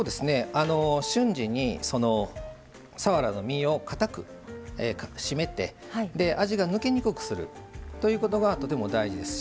瞬時にそのさわらの身をかたく締めて味が抜けにくくするということがとても大事ですし